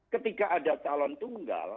ketika ada calon tunggal